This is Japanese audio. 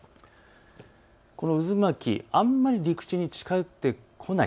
この渦巻き、あまり陸地に近寄ってこない。